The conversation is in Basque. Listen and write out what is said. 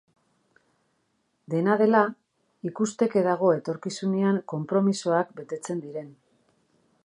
Dena dela, ikusteke dago etorkizunean konpromisoak betetzen diren.